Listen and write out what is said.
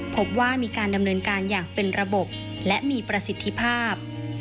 พบว่ามีการดำเนินการอย่างเป็นระบบและมีประสิทธิภาพ